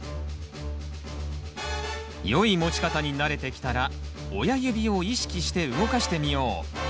良い持ち方に慣れてきたら親指を意識して動かしてみよう。